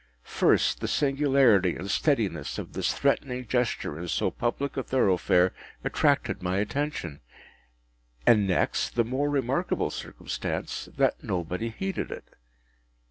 First, the singularity and steadiness of this threatening gesture in so public a thoroughfare attracted my attention; and next, the more remarkable circumstance that nobody heeded it.